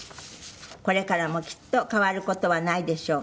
「これからも、きっと変わる事はないでしょう」